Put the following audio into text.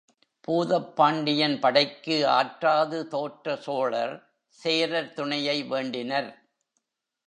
பூதப் பாண்டியன் படைக்கு ஆற்றாது தோற்ற சோழர், சேரர் துணையை வேண்டினர்.